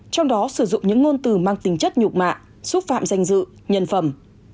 trong đó sử dụng những ngôn từ mang tính chất nhục mạ xúc phạm danh dự nhân phẩm